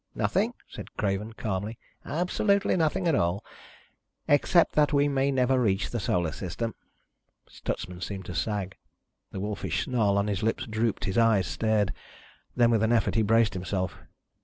"Nothing," said Craven calmly. "Absolutely nothing at all ... except that we may never reach the Solar System!" Stutsman seemed to sag. The wolfish snarl on his lips drooped. His eyes stared. Then with an effort he braced himself.